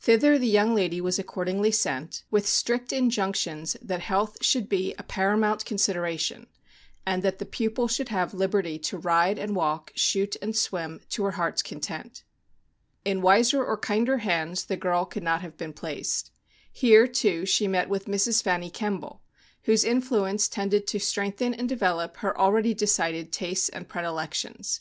Thither the young lady was accordingly sent, with strict injunctions that health should be a paramount consid eration, and that the pupil should have liberty to ride and walk, shoot and swim, to her heart's content. In wiser or kinder hands the } r oung girl could not have been placed. Here, too, she met with Mrs. Fanny Kemble, whose influence tended to strengthen and develop her already de cided tastes and predilections.